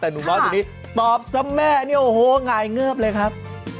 แต่หนุ่มน้อยคนนี้ตอบซะแม่โอ้โหง่ายเงือบเลยครับ